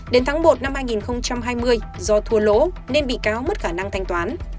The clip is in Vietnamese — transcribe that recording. đến tháng một năm hai nghìn hai mươi do thua lỗ nên bị cáo mất khả năng thanh toán